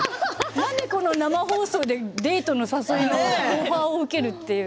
この生放送でデートの誘いのオファーを受けるって。